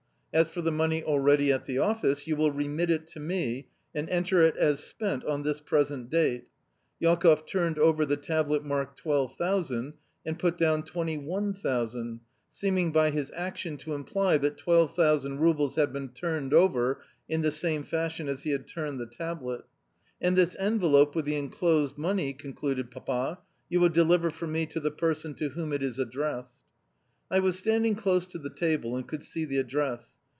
As for the money already at the office, you will remit it to me, and enter it as spent on this present date." Jakoff turned over the tablet marked "12,000," and put down "21,000" seeming, by his action, to imply that 12,000 roubles had been turned over in the same fashion as he had turned the tablet. "And this envelope with the enclosed money," concluded Papa, "you will deliver for me to the person to whom it is addressed." I was standing close to the table, and could see the address.